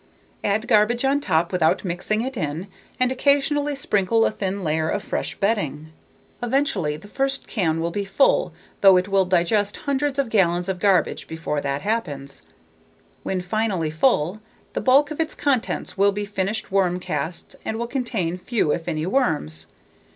Add garbage on top without mixing it in and occasionally sprinkle a thin layer of fresh bedding. Eventually the first can will be full though it will digest hundreds of gallons of garbage before that happens. When finally full, the bulk of its contents will be finished worm casts and will contain few if any worms.